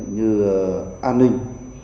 như an ninh